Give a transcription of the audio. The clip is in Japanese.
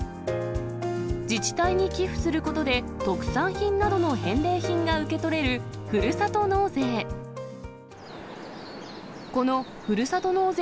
自治体に寄付することで、特産品などの返礼品が受け取れる、ふるさと納税。